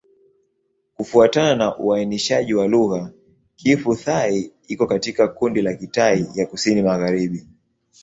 Kufuatana na uainishaji wa lugha, Kiphu-Thai iko katika kundi la Kitai ya Kusini-Magharibi.